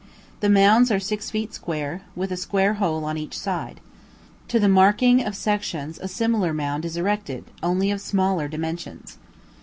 The mounds are six feet square, with a square hole on each side. To the marking of sections a similar mound is erected, only of smaller dimensions.